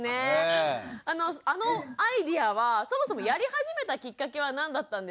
あのアイデアはそもそもやり始めたきっかけは何だったんですか？